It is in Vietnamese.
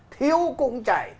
thiếu cũng chạy